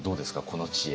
この知恵。